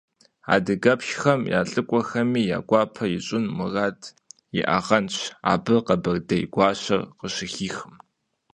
Адыгэпщхэм я лӀыкӀуэхэми я гуапэ ищӀын мурад иӀагъэнщ абы къэбэрдей гуащэр къыщыхихым.